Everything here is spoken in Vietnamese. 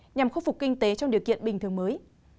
nhằm khôi phục kinh tế trong điều kiện bình thường mới